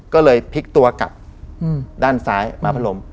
ก็เลยพลิกตัวกลับด้านซ้ายมาพัดลม